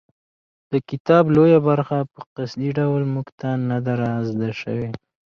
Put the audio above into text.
د کتاب لویه برخه په قصدي ډول موږ ته نه ده رازده شوې.